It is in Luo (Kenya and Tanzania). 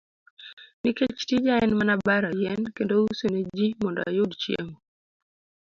Nikech tija en mana baro yien kendo uso ne ji, mondo ayud chiemo.